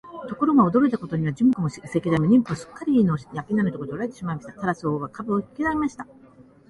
ところが、驚いたことには、材木も石材も人夫もすっかりれいの商人のところへ取られてしまいました。タラス王は価を引き上げました。